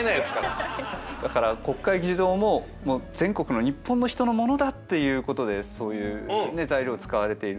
だから国会議事堂も全国の日本の人のものだっていうことでそういう材料使われている。